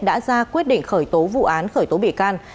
đã ra quyết định khởi tố vụ án khởi tố bị can